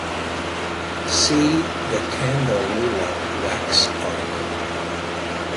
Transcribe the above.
See the candelilla wax article.